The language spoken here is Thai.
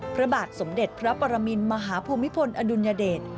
พระบาทสมเด็จพระปรมินมหาภูมิพลอดุลยเดช